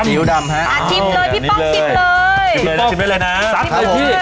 ซียูดำครับ